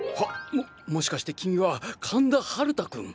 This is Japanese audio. ももしかして君は神田春太くん？